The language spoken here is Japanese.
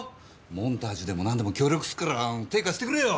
モンタージュでもなんでも協力すっから手貸してくれよ！